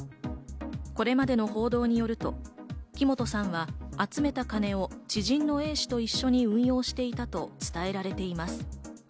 これまでの報道によると、木本さんは集めた金を知人のＡ氏と一緒に運用していたと伝えられています。